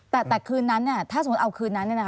แต่คืนนั้นถ้าสมมุติเอาคืนนั้น